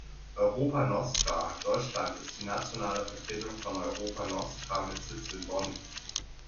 Europa Nostra Deutschland ist die nationale Vertretung von Europa Nostra mit Sitz in Bonn.